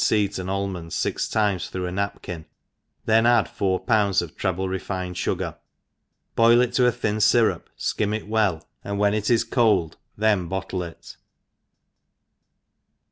333 feeds* and altnonds fix times throiigh « napkin^ then add four pounds of treble refirned nigari boil it to a thin fyrup» Ikim it well, and whei it is cold, then bottle it.